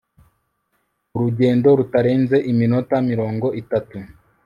urugendo rutarenze iminota mirongo itatu